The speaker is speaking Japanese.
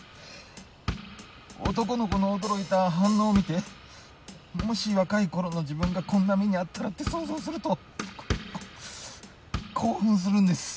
男の子の驚いた反応を見てもし若い頃の自分がこんな目に遭ったらって想像するとこ興奮するんです。